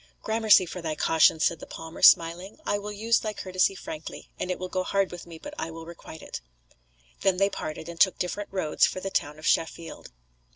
"Gramercy for thy caution," said the palmer, smiling; "I will use thy courtesy frankly and it will go hard with me but I will requite it." They then parted, and took different roads for the town of Sheffield.